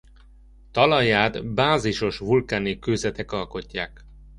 Talaját bázisos vulkáni kőzetek alkotják.